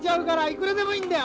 いくらでもいいんだよ。